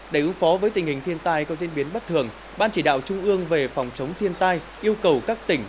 để ưu phó với tình hình thiên tai có diễn biến bất thường ban chỉ đạo trung ương về phòng chống thiên tai yêu cầu các tỉnh